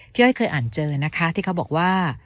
พี่อย่าให้เคยอ่านเจอนะคะที่เขาบอกว่า